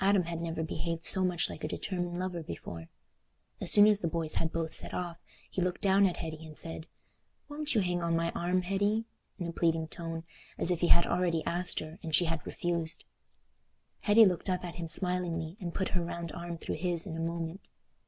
Adam had never behaved so much like a determined lover before. As soon as the boys had both set off, he looked down at Hetty and said, "Won't you hang on my arm, Hetty?" in a pleading tone, as if he had already asked her and she had refused. Hetty looked up at him smilingly and put her round arm through his in a moment.